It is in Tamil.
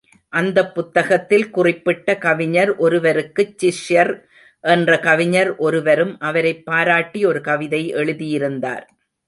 அந்தப் புத்தகத்தில் குறிப்பிட்ட கவிஞர் ஒருவருக்குச் சிஷ்யர் என்ற கவிஞர் ஒருவரும் அவரைப் பாராட்டி ஒரு கவிதை எழுதியிருந்தார்.